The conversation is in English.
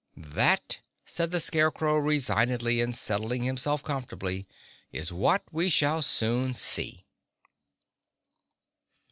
"That," said the Scarecrow resignedly and settling himself comfortably, "that is what we shall soon see."